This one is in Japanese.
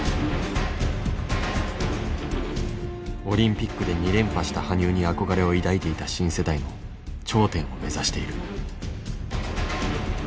オリンピックで２連覇した羽生に憧れを抱いていた新世代も頂点を目指している。